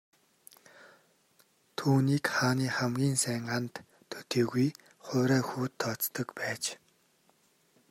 Түүнийг хааны хамгийн сайн анд төдийгүй хуурай хүүд тооцдог байж.